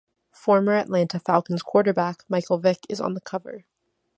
Former Atlanta Falcons quarterback Michael Vick is on the cover.